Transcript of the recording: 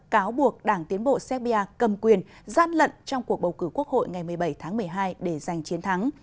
cáo buộc đảng tiến bộ serbia cầm quyền gian lận trong cuộc bầu cử quốc hội ngày một mươi bảy tháng một mươi hai để giành chiến thắng